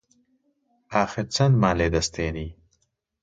ئاخر چەندمان لێ دەستێنی؟